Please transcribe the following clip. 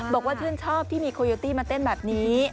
บอกว่าชื่นชอบที่มีโคโยตี้มาเต้นแบบนี้